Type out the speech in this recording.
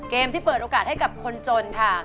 เกมที่เปิดโอกาสให้กับคนจนค่ะ